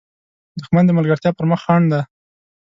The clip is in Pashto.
دښمن د ملګرتیا پر مخ خنډ دی